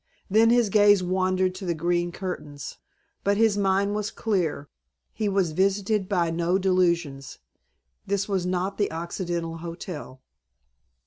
Then his gaze wandered to the green curtains. But his mind was clear. He was visited by no delusions. This was not the Occidental Hotel.